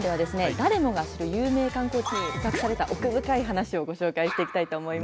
誰もが知る有名観光地に隠された奥深い話をご紹介していきたいと思います。